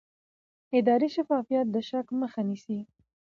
اداري شفافیت د شک مخه نیسي